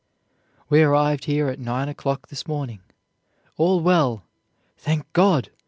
"We arrived here at nine o'clock this morning. All well. Thank God!